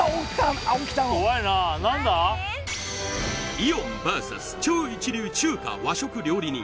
イオンＶＳ超一流中華和食料理人